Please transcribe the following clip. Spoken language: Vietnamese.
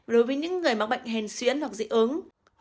đối với những người mắc bệnh hèn xuyễn hoặc dị ứng